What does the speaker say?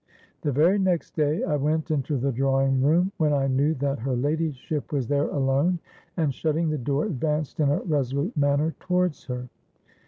"The very next day I went into the drawing room when I knew that her ladyship was there alone, and, shutting the door, advanced in a resolute manner towards her.